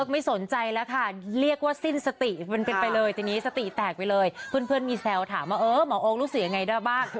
ไม่สนใจแล้วค่ะเรียกว่าสิ้นสติมันเป็นไปเลยทีนี้สติแตกไปเลยเพื่อนมีแซวถามว่าเออหมอโอ๊ครู้สึกยังไงได้บ้าง